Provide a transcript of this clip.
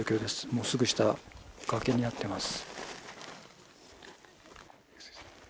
もうすぐ下は崖になっています。